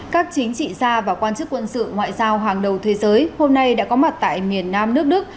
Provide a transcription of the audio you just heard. các chính trị gia và quan chức quân sự ngoại giao hàng đầu thế giới hôm nay đã có mặt tại miền nam nước đức